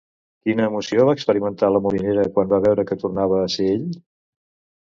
Quina emoció va experimentar la Molinera quan va veure que tornava a ser ell?